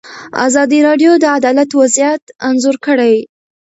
ازادي راډیو د عدالت وضعیت انځور کړی.